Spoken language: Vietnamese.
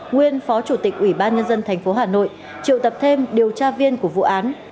nguyên phó chủ tịch ủy ban nhân dân tp hà nội triệu tập thêm điều tra viên của vụ án